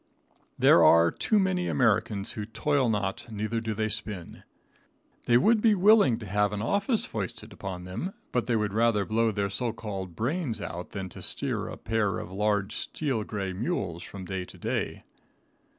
There are too many Americans who toil not, neither do they spin. They would be willing to have an office foisted upon them, but they would rather blow their so called brains out than to steer a pair of large steel gray mules from day to day.